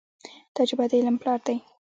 تجربه د علم پلار دی.